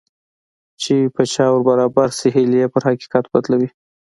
چې په چا ور برابر شي هيلې يې پر حقيقت بدلوي.